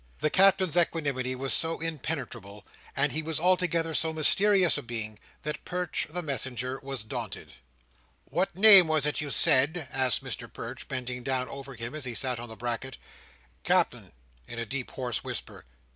The Captain's equanimity was so impenetrable, and he was altogether so mysterious a being, that Perch the messenger was daunted. "What name was it you said?" asked Mr Perch, bending down over him as he sat on the bracket. "Cap'en," in a deep hoarse whisper.